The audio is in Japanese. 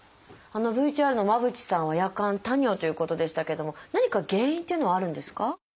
ＶＴＲの間渕さんは夜間多尿ということでしたけども何か原因っていうのはあるんですか？